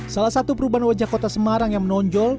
salah satu perubahan wajah kota semarang yang menonjol